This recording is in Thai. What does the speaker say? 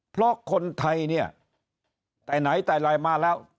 เพราะคนไทยเนี่ยแต่ไหนแต่ไรมาแล้ว